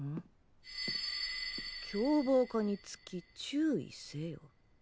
「凶暴化につき注意せよ」？